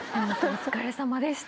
お疲れさまでした。